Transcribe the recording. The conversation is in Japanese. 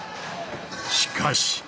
しかし。